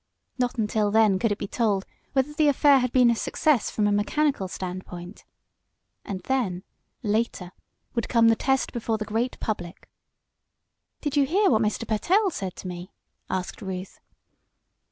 Not until then could it be told whether the affair had been a success from a mechanical standpoint. And then, later, would come the test before the great public. "Did you hear what Mr. Pertell said to me?" asked Ruth.